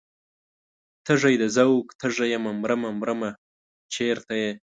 تږی د ذوق تږی یمه مرمه مرمه چرته یې؟